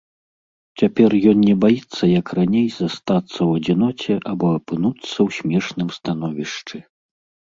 Цяпер ён не баіцца, як раней, застацца ў адзіноце або апынуцца ў смешным становішчы.